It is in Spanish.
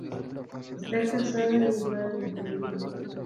Está casada y es madre de familia.